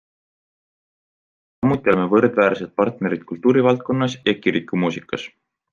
Samuti oleme võrdväärsed partnerid kultuurivaldkonnas ja kirikumuusikas.